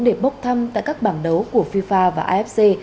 để bốc thăm tại các bảng đấu của fifa và afc